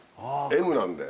Ｍなんで。